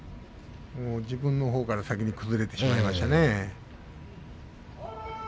自分のほうから先に崩れてしまいましたね。